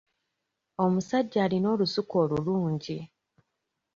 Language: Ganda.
Omusajja alina olusuku olulungi.